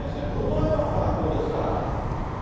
プロドライバーの方がこうですから。